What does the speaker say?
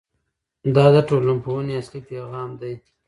دا د ټولنپوهنې اصلي پیغام دی.